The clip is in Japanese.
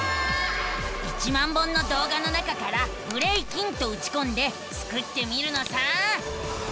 １万本のどうがの中から「ブレイキン」とうちこんでスクってみるのさ！